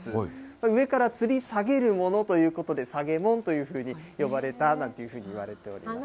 上からつり下げるものということで、さげもんというふうに呼ばれたなんていうふうにいわれております。